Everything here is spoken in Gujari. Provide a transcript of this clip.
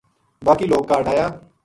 باقی لوک کاہڈ آیا